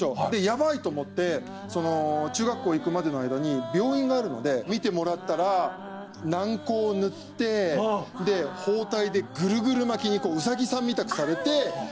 でやばい！と思って中学校行くまでの間に病院があるので診てもらったら軟膏を塗ってで包帯でぐるぐる巻きにウサギさんみたくされて。